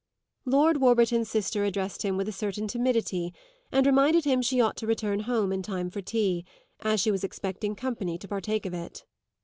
Lord Warburton's sister addressed him with a certain timidity and reminded him she ought to return home in time for tea, as she was expecting company to partake of it.